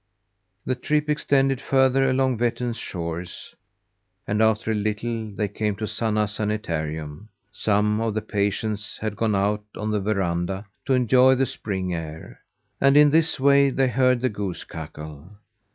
The trip extended further along Vettern's shores; and after a little they came to Sanna Sanitarium. Some of the patients had gone out on the veranda to enjoy the spring air, and in this way they heard the goose cackle.